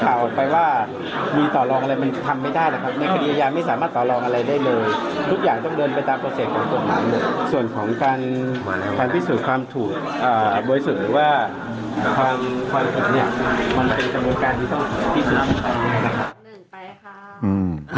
โดยสินว่าความถูกมันเป็นจำนวนการที่ต้องพิสูจน์